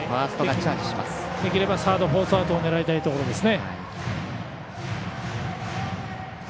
できればサードフォースアウトを狙いたいところですね。